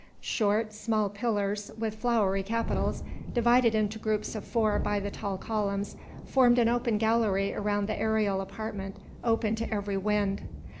Short, small pillars, with flowery capitals, divided into groups of four by the tall columns, formed an open gallery around this aerial apartment open to every wind.